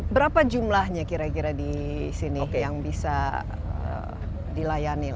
berapa jumlahnya kira kira di sini yang bisa dilayani